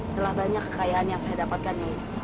telah banyak kekayaan yang saya dapatkan